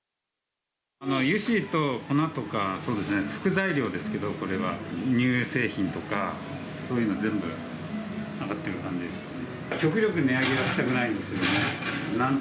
油脂と粉とか副材料ですけど、これは乳製品とかそういうのが全部上がってる感じですね。